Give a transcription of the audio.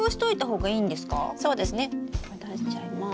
出しちゃいます。